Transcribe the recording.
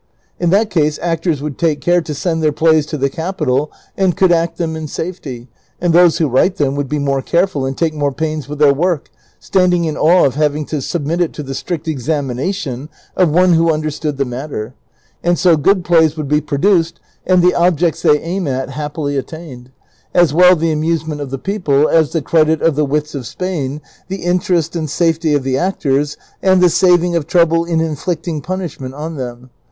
In that case actors would take care to send their plays to the capital, and could act them in safety, and those who write them would be more careful and take more pains with their work, standing in awe of having to submit it to the strict examination of one who understood the matter ; and so good plays would be produced and the objects they aim at happily attained; as well the amusement of the people, as the credit of the wits of Spain, the interest and safety of the actors, and the saving of trouble in inflicting punishment on them.